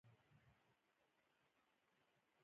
چې ریښې د ګل په تمه